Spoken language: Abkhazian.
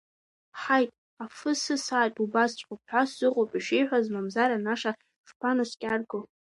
Ҳаит, афы сысааит убасҵәҟьоуп ҳәа сыҟоуп ишиҳәаз, мамзар анаша шԥанаскьарго.